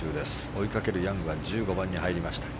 追いかけるヤングは１５番に入りました。